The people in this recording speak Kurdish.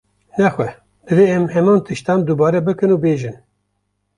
Nexwe, divê em heman tiştan dubare bikin û bêjin